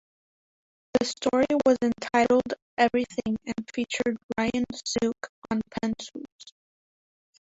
The story was entitled "Everything" and featured Ryan Sook on pencils.